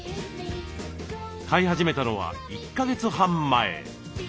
飼い始めたのは１か月半前。